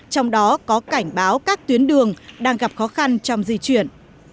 trong đó có cảnh báo các tuyến đường đang gặp khó khăn trong di chuyển